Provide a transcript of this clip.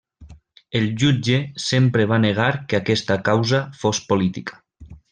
El jutge sempre va negar que aquesta causa fos política.